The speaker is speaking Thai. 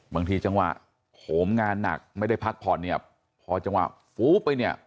บางทีจังหวะโหมงานหนักไม่ได้พักผ่อนเนี่ยพอจังหวะฟู๊บไปเนี่ย